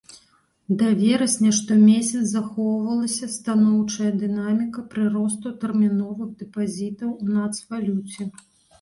Да верасня штомесяц захоўвалася станоўчая дынаміка прыросту тэрміновых дэпазітаў у нацвалюце.